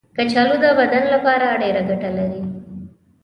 کچالو د بدن لپاره ډېره ګټه لري.